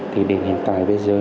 thì đến hiện tại bây giờ